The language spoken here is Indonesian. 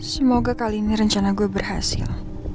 semoga kali ini rencana gue berhasil